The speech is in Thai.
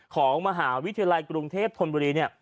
ของมหาวิทยาลัยกรุงเทพธนบุรีเนี่ย